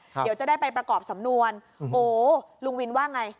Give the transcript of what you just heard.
เดี๋ยวจะได้ไปประกอบสำนวนโอ้ลุงวินว่าไง